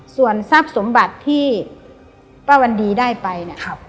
ส่วนทรัพย์สมบัติที่ป้าวันดีได้ไปเนี่ย